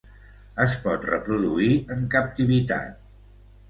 Es pot reproduir en captivitat.